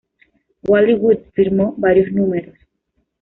Wally Wood firmo varios números.